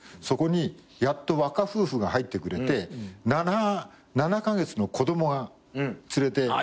そこにやっと若夫婦が入ってくれて７カ月の子供が連れて入ってきて